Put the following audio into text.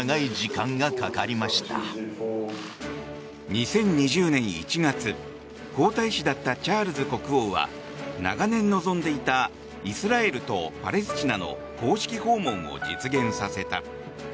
２０２０年１月皇太子だったチャールズ国王は長年望んでいたイスラエルとパレスチナの公式訪問を実現させた。